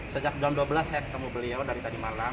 sejak jam dua belas saya ketemu beliau dari tadi malam